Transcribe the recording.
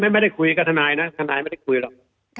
ไม่ได้คุยกับทนายนะทนายไม่ได้คุยหรอก